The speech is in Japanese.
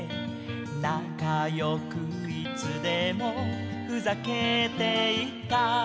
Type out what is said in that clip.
「なかよくいつでもふざけていた」